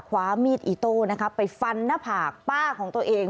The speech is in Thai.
คว้ามีดอิโต้นะคะไปฟันหน้าผากป้าของตัวเอง